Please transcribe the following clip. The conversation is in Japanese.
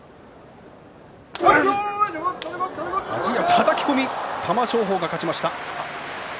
はたき込み、玉正鳳が勝ちました。